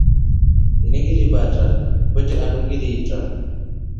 Ini ngilivatra kwetre andu ngiliitra.